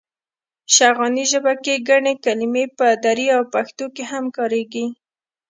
شغناني ژبه کې ګڼې کلمې په دري او پښتو کې هم کارېږي.